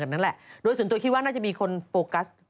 นั่นแหละโดยส่วนตัวคิดว่าน่าจะมีคนโฟกัส